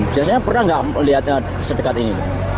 biasanya pernah nggak melihatnya sedekat ini